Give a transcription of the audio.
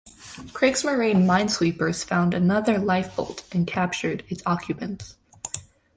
Kriegsmarine minesweepers found another lifeboat and captured its occupants.